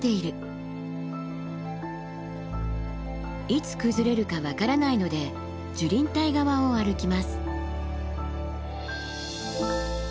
いつ崩れるか分からないので樹林帯側を歩きます。